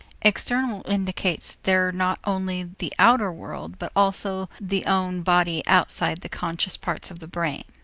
External indicates there not only the outer world but also the own body outside the conscious parts of the brain.